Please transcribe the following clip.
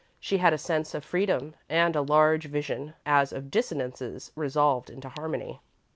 She had a sense of freedom and a large vision, as of dissonances resolved into harmony.